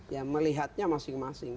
ya melihatnya masing masing